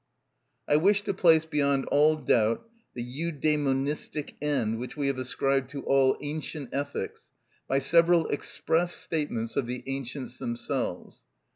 _" I wish to place beyond all doubt the eudæmonistic end which we have ascribed to all ancient ethics by several express statements of the ancients themselves.